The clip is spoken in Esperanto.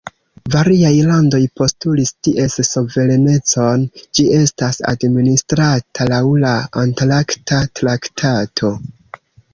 Variaj landoj postulis ties suverenecon; ĝi estas administrata laŭ la Antarkta traktato.